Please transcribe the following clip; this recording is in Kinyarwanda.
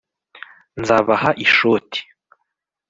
nzabaha ishoti